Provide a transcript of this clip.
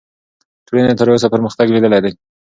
ټولنې تر اوسه پرمختګ لیدلی دی.